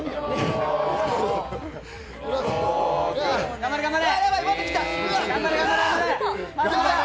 頑張れ頑張れ！